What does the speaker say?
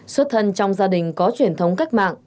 xuất thân trong gia đình có truyền thống cách mạng